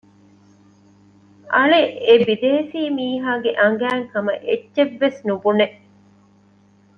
އަޅެ އެބިދޭސީ މިހާގެ އަނގައިން ހަމައެއްޗެއްވެސް ނުބުނެ